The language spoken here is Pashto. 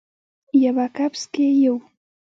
یوه کپس کې یو